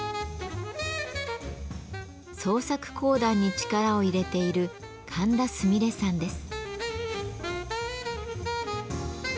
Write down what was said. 創作講談に力を入れている神田すみれさんです。